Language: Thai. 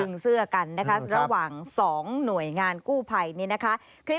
ดึงเสื้อกันนะครับระหว่างสองหน่วยงานกู้ไภนี่นะคะ